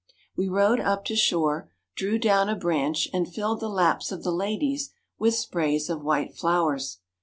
We rowed up to shore, drew down a branch, and filled the laps of the ladies with sprays of white flowers.